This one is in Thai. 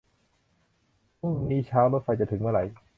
พรุ่งนี้เช้ารถไฟจะถึงเมื่อไหร่